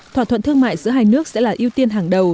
thỏa thuận thương mại giữa hai nước sẽ là ưu tiên hàng đầu